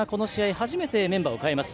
初めてメンバーを代えます。